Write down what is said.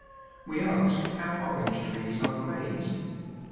We ask how orange trees are raised.